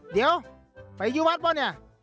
เดี๋ยวไปอยู่วัดหรือ